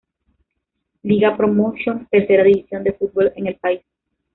Liga Promotion, tercera división de fútbol en el país.